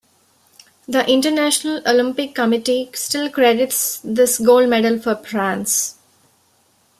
The International Olympic Committee still credits this gold medal for France.